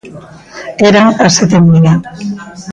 Eran as sete e media.